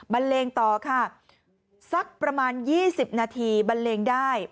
เลงต่อค่ะสักประมาณ๒๐นาทีบันเลงได้